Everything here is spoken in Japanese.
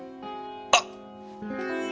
あっ。